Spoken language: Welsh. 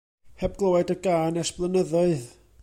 Heb glywed y gân ers blynyddoedd.